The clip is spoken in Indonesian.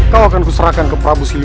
kau akan kuserahkan ke prabu siliwani